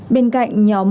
bên cạnh nhóm